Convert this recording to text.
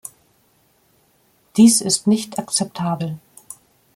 Dies ist nicht akzeptabel.